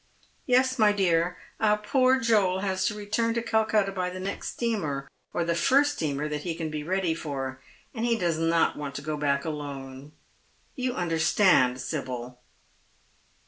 " Yes, my dear, our poor Joel has to return to Calcutta by the next steamer, or the first steamer that he can be ready for, and he does not want to go back alone. You understand, Sibyl."